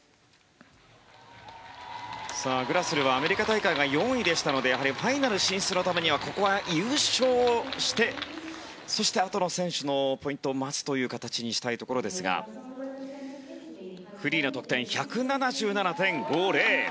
グラスルはアメリカ大会が４位でしたのでファイナル進出のためにはここは優勝してそして、あとの選手のポイントを待つという形にしたいですがフリーの得点は１７７．５０。